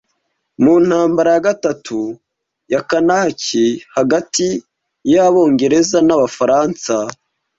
mu Ntambara ya gatatu ya Karnatike hagati y'Abongereza n'Abafaransa